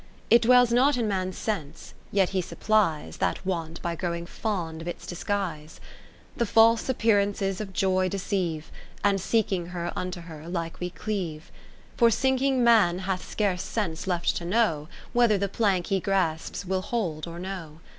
It dwells not in man's sense, yet he supplies That want by growing fond of its disguise. The false appearances of joy deceive, (573) And seeking her unto her like we cleave. For sinking Man hath scarce sense left to know Whether the plank he grasps will hold or no.